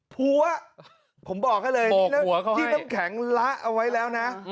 พัวผมบอกให้เลยที่น้ำแข็งละเอาไว้แล้วนะ